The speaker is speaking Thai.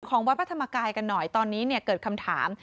วัดพระธรรมกายกันหน่อยตอนนี้เนี่ยเกิดคำถาม